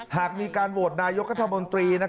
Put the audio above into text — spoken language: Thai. หากมีการโหวตนายกัธมนตรี